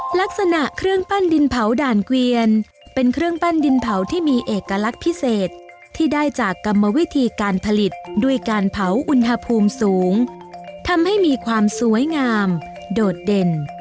ลักษณะเครื่องปั้นดินเผาด่านเกวียนเป็นเครื่องปั้นดินเผาที่มีเอกลักษณ์พิเศษที่ได้จากกรรมวิธีการผลิตด้วยการเผาอุณหภูมิสูงทำให้มีความสวยงามโดดเด่น